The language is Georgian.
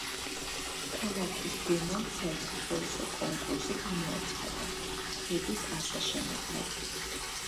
ქალაქის დუმამ საერთაშორისო კონკურსი გამოაცხადა, ხიდის ასაშენებლად.